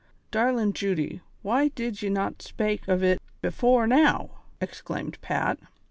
Darlin' Judy, why did ye not spake of it bafore now ?" exclaimed Pat.